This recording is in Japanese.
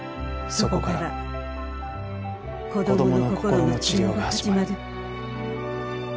「そこから子どもの心の治療が始まる」